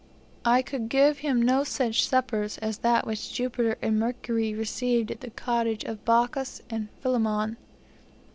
I could give him no such suppers as that which Jupiter and Mercury received at the cottage of Baucis and Philemon.